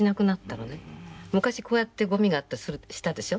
昔こうやってごみがあったらしたでしょ？